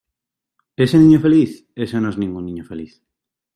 ¿ Ese niño feliz? Eso no es ningún niño feliz.